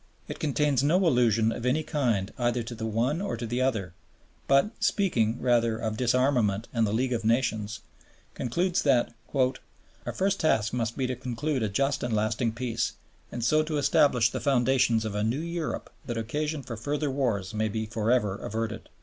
It contains no allusion of any kind either to the one or to the other but, speaking, rather, of Disarmament and the League of Nations, concludes that "our first task must be to conclude a just and lasting peace, and so to establish the foundations of a new Europe that occasion for further wars may be for ever averted."